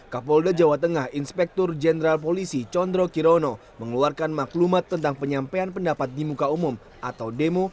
kapolda jawa tengah inspektur jenderal polisi chondro kirono mengeluarkan maklumat tentang penyampaian pendapat di muka umum atau demo